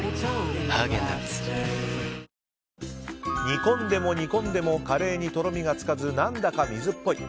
煮込んでも煮込んでもカレーにとろみがつかず何だか、水っぽい。